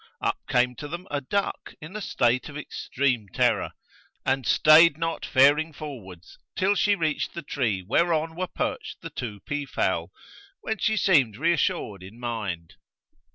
up came to them a duck in a state of extreme terror, and stayed not faring forwards till she reached the tree whereon were perched the two peafowl, when she seemed re assured in mind.